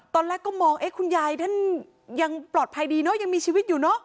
ตอนแรกก็มองคุณยายท่านยังปลอดภัยดีเนอะยังมีชีวิตอยู่เนอะ